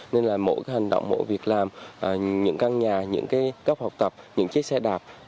nên là mỗi hành động mỗi việc làm những căn nhà những cái góc học tập những chiếc xe đạp